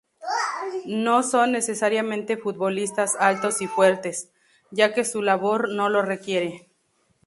No son necesariamente futbolistas altos y fuertes, ya que su labor no lo requiere.